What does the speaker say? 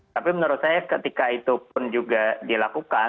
tapi menurut saya ketika itu pun juga dilakukan